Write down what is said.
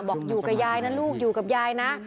บอกอยู่กับยายนะลูกอยู่กับยายนะ